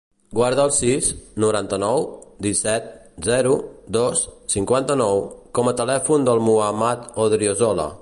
Guarda el sis, noranta-nou, disset, zero, dos, cinquanta-nou com a telèfon del Muhammad Odriozola.